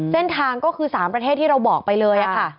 เส้นทางก็คือ๓ประเทศที่เราบอกไปเลยค่ะ